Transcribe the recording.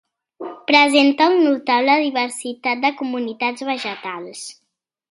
Presenta una notable diversitat de comunitats vegetals.